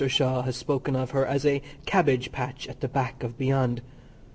Shaw has spoken of her as a "cabbage patch at the back of beyond."